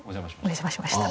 お邪魔しました。